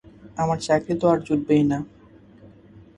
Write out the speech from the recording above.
আমার চাকরি তো আর জুটবেই না।